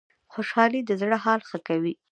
خوشحالي د زړه حال ښه کوي